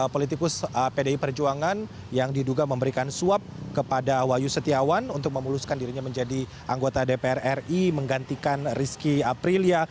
politikus pdi perjuangan yang diduga memberikan suap kepada wahyu setiawan untuk memuluskan dirinya menjadi anggota dpr ri menggantikan rizky aprilia